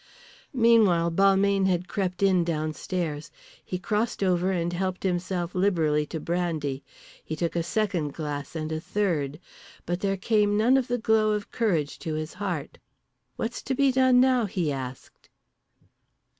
Meanwhile Balmayne had crept in downstairs. He crossed over and helped himself liberally to brandy. He took a second glass, and a third. But there came none of the glow of courage to his heart. "What's to be done now?" he asked.